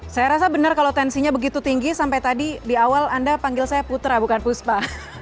saya rasa benar kalau tensinya begitu tinggi sampai tadi di awal anda panggil saya putra bukan puspa